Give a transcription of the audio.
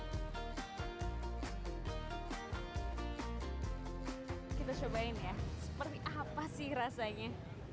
kita coba ini ya seperti apa sih rasanya